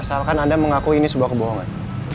asalkan anda mengaku ini sebuah kebohongan